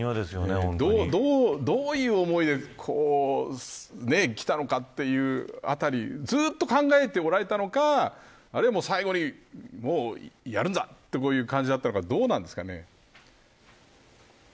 どういう思いできたのか、というあたりずっと考えておられたのかあるいは最後にもうやるんだという感じだったのかどうなんですかね。